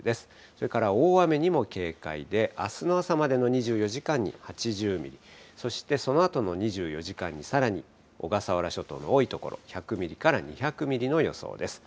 それから大雨にも警戒で、あすの朝までの２４時間に８０ミリ、そしてそのあとの２４時間にさらに小笠原諸島の多い所、１００ミリから２００ミリの予想です。